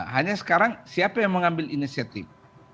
hanya sekarang siapa yang mengambil inisiatif